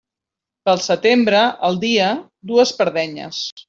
Pel setembre, el dia duu espardenyes.